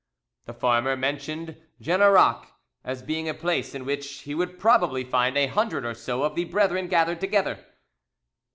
The farmer mentioned Generac as being a place in which he would probably find a hundred or so of the brethren gathered together.